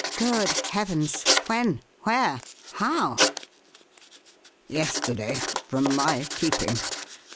Good heavens! When? Where? How?" "Yesterday from my keeping!